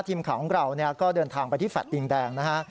ทีมข่าวของเราก็เดินทางไปที่แฟลตดินแดงนะฮะ